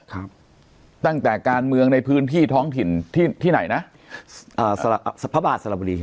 ครับตั้งแต่การเมืองในพื้นที่ท้องถิ่นที่ที่ไหนนะอ่าพระบาทสระบุรีใช่ไหม